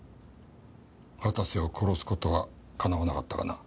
綿瀬を殺す事はかなわなかったがな。